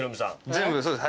全部そうです